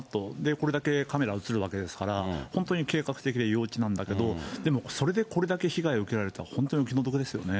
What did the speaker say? これだけカメラ、写るわけですから、本当に計画的で幼稚なんだけど、でも、それでこれだけ被害を受けられるって、本当に気の毒ですよね。